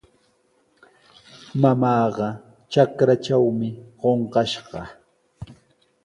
Mamaaqa trakratrawmi qunqashqa.